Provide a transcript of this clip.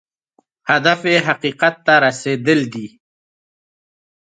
هدف یې حقیقت ته رسېدل دی.